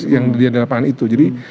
yang diadakan itu jadi